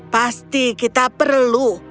pasti kita perlu